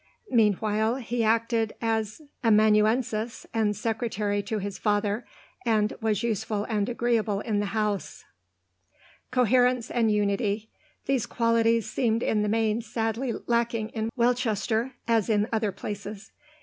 Meanwhile he acted as amanuensis and secretary to his father, and was useful and agreeable in the home. Coherence and unity; these qualities seemed in the main sadly lacking in Welchester, as in other places.